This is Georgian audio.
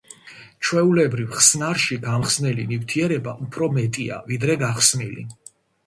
ჩვეულებრივ ხსნარში გამხსნელი ნივთიერება უფრო მეტია ვიდრე გახსნილი.